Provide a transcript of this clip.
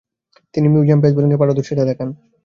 তিনি medium pace বোলিংয়ে পারদর্শীতা দেখান।